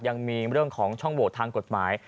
ยังมีเรื่องของช่องโหวตทางกฎหมาย